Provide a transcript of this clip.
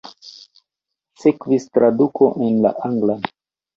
Sekvis traduko en la anglan.